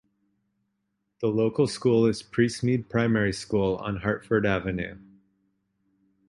The local school is Priestmead Primary School on Hartford Avenue.